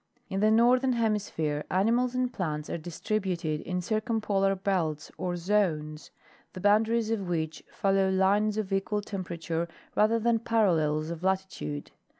In the northern hemisphere animals and plants are distributed in circumpolar belts or zones, the boundaries of which follow lines of equal temperature rather than parallels of latitude.